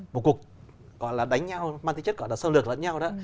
một cuộc gọi là đánh nhau mang tính chất gọi là sâu lược lẫn nhau đó